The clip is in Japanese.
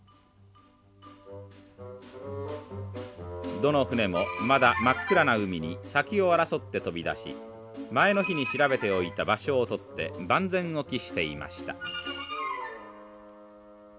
どの船もまだ真っ暗な海に先を争って飛び出し前の日に調べておいた場所を取って万全を期していました。